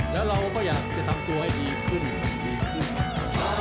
แล้วเราก็อยากจะทำตัวให้ดีขึ้นดีขึ้น